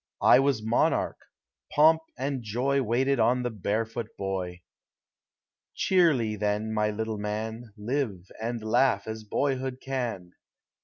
1 was monarch : pomp and joy Waited on the barefoot boy ! Cheerly, then, my little man, Live and laugh, as boyhood can